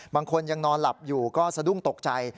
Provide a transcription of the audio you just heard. บางคนยังนอนหลับอยู่ก็สะดุ้งตกใจ